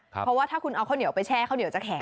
เพราะว่าถ้าคุณเอาข้าวเหนียวไปแช่ข้าวเหนียวจะแข็ง